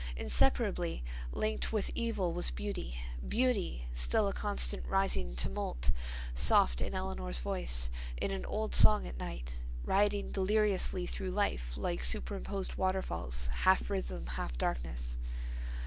Inseparably linked with evil was beauty—beauty, still a constant rising tumult; soft in Eleanor's voice, in an old song at night, rioting deliriously through life like superimposed waterfalls, half rhythm, half darkness.